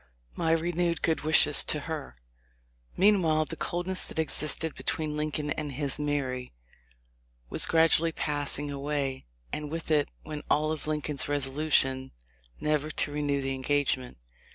My renewed good wishes to her." Meanwhile the coldness that existed between Lincoln and his "Mary" was gradually passing away, and with it went all of Lincoln's resolution never to renew the engagement.